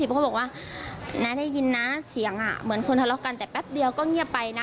เขาก็บอกว่าน้าได้ยินนะเสียงเหมือนคนทะเลาะกันแต่แป๊บเดียวก็เงียบไปนะ